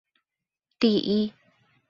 第一